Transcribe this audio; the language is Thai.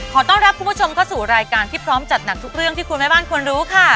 ขอต้อนรับคุณผู้ชมเข้าสู่รายการที่พร้อมจัดหนักทุกเรื่องที่คุณแม่บ้านควรรู้ค่ะ